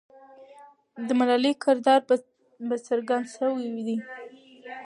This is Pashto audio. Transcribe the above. د ملالۍ کردار به څرګند سوی وي.